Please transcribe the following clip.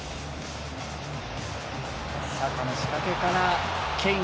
サカの仕掛けからケイン。